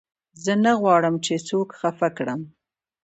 زه نه غواړم، چي څوک خفه کړم.